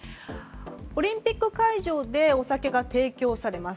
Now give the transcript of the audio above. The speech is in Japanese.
オリンピック会場でお酒が提供されます。